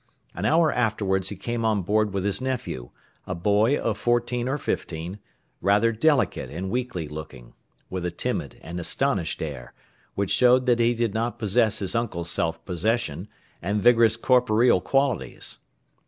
An hour afterwards he came on board with his nephew, a boy of fourteen or fifteen, rather delicate and weakly looking, with a timid and astonished air, which showed that he did not possess his uncle's self possession and vigorous corporeal qualities.